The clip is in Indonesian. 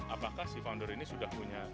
apakah si founder ini sudah punya